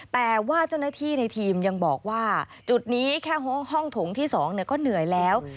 แต่ว่าเจ้าหน้าที่ในทีมยังบอกว่าจุดนี้แค่ห้องถงที่๒ก็เหนื่อยแล้ว